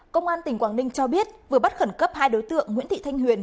các bạn hãy đăng ký kênh để ủng hộ kênh của chúng mình nhé